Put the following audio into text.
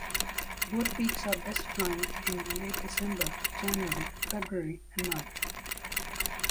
Both peaks are best climbed in late December, January, February and March.